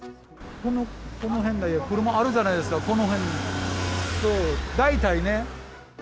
この辺、車あるじゃないですか、この辺、大体ね。